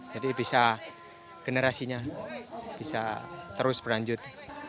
jadi bisa generasinya bisa terus berlanjut